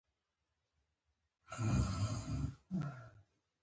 زه غواړم تجارت وکړم